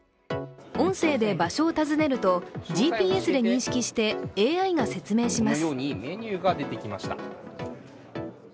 音声で場所を尋ねると、ＧＰＳで認識してＡＩが説明します。